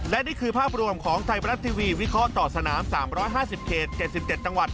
และนี่คือภาพรวมของไทยบรัฐทีวีวิเคราะห์ต่อสนาม๓๕๐เขต๗๗จังหวัด